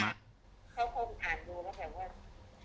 เขาคงอ่านดูแล้วแบบว่าพ่ออะไรอย่างนี้